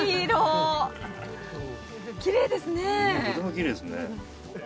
とてもきれいですね。